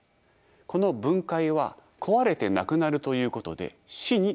この分解は壊れてなくなるということで死に相当します。